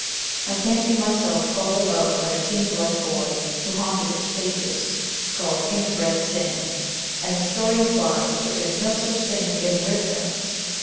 I fancied myself followed about by a fiend like boy who haunted its pages, called "Inbred Sin;" and the story implied that there was no such thing as getting rid of him.